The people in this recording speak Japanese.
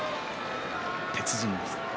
鉄人です。